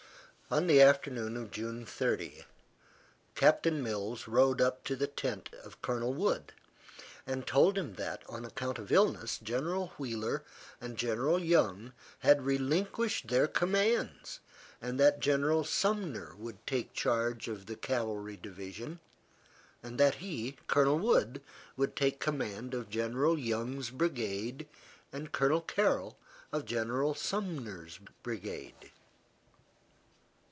On the afternoon of June 30, Captain Mills rode up to the tent of Colonel Wood, and told him that on account of illness, General Wheeler and General Young had relinquished their commands, and that General Sumner would take charge of the Cavalry Division; that he, Colonel Wood, would take command of General Young's brigade, and Colonel Carroll, of General Sumner's brigade.